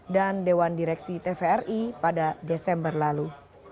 dan dewan direksi tvri pada desember lalu